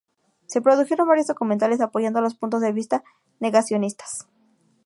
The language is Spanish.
Se produjeron varios documentales apoyando los puntos de vista negacionistas.